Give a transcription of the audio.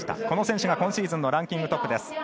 この選手が今シーズンのランキングトップです。